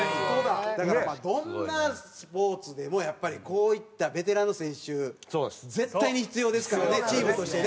だからどんなスポーツでもやっぱりこういったベテランの選手絶対に必要ですからねチームとしてね。